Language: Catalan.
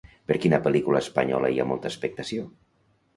Per quina pel·lícula espanyola hi ha molta expectació?